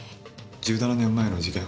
１７年前の事件